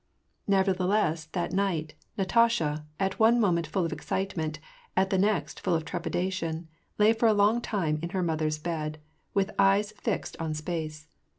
Nevertheless, that night, Natasha, at one moment full of excitement, at the next full of trepidation, lay for a long time in her mother's bed, with eyes fixed on space.